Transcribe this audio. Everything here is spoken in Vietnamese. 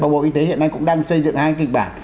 và bộ y tế hiện nay cũng đang xây dựng hai kịch bản